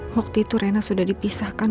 waktu itu rena sudah dipisahkan